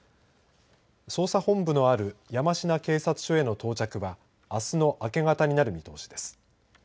捜査本部のある山科警察署への到着はあすの明け方になる見通しです。